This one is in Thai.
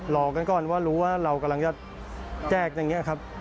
รอกันก่อนว่ารู้ว่าเรากำลังจะแจกอย่างนี้ครับ